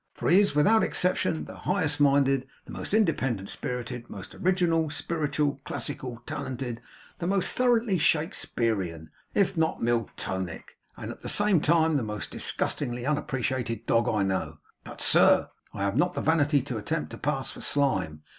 For he is, without an exception, the highest minded, the most independent spirited, most original, spiritual, classical, talented, the most thoroughly Shakspearian, if not Miltonic, and at the same time the most disgustingly unappreciated dog I know. But, sir, I have not the vanity to attempt to pass for Slyme.